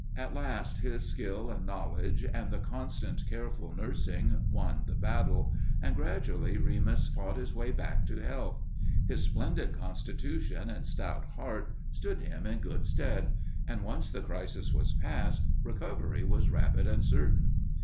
At last his skill and knowledge and the constant careful nursing won the battle, and gradually Remus fought his way back to health. His splendid constitution and stout heart stood him in good stead, and once the crisis was passed, recovery was rapid and certain.